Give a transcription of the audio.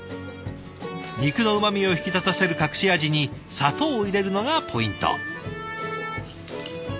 肉のうまみを引き立たせる隠し味に砂糖を入れるのがポイント。